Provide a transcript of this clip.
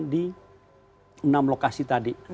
di enam lokasi tadi